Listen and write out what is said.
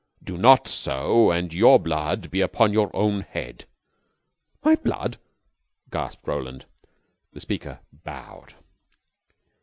Do not so, and your blood be upon your own head." "My blood!" gasped Roland. The speaker bowed.